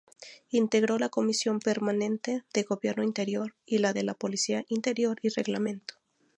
Integró la Comisión Permanente de Gobierno Interior; y la de Policía Interior y Reglamento.